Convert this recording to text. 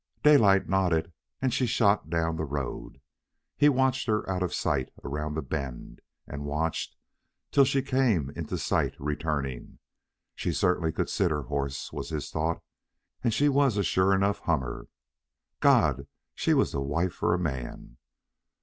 Daylight nodded, and she shot down the road. He watched her out of sight around the bend, and watched till she came into sight returning. She certainly could sit her horse, was his thought, and she was a sure enough hummer. God, she was the wife for a man!